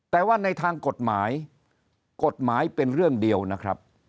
แต่ว่าในทางกฎหมายกฎหมายเป็นเรื่องเดียวนะครับ